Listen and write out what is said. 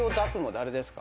誰ですか？